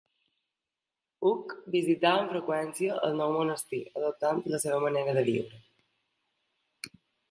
Hug visità amb freqüència el nou monestir, adoptant la seva manera de viure.